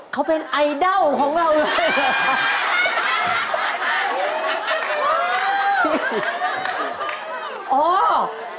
เขาเป็นไอดอลของเราเลย